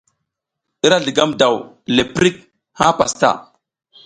I ra zligam daw zle prik ha pastaʼa.